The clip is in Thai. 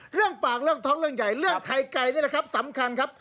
เรื่องปากเรื่องท้องเรื่องใหญ่เรื่องไข่ไก่นี่แหละครับสำคัญครับ